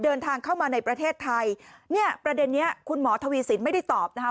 เดินทางเข้ามาในประเทศไทยเนี่ยประเด็นนี้คุณหมอทวีสินไม่ได้ตอบนะคะ